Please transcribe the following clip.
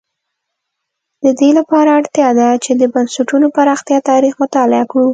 د دې لپاره اړتیا ده چې د بنسټونو پراختیا تاریخ مطالعه کړو.